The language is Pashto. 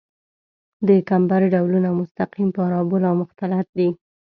د کمبر ډولونه مستقیم، پارابول او مختلط دي